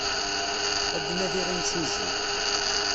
Ad d-nadiɣ imsujji.